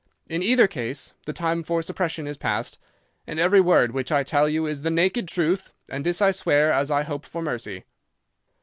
In either case the time for suppression is past, and every word which I tell you is the naked truth, and this I swear as I hope for mercy.